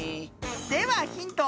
ではヒント。